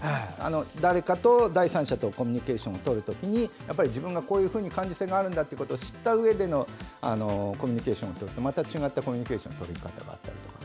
誰かと第三者とコミュニケーションをとるときに自分がこういうふうに感受性があるんだと知ったうえでコミュニケーションをとるとまた違ったコミュニケーションになったりとか。